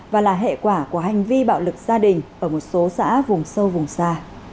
và là hệ quả của hành vi bạo lực gia đình ở một số xã vùng sâu vùng xa